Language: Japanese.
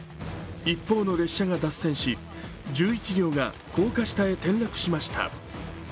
一方の列車が脱線し１１両が高架下へ転落しました。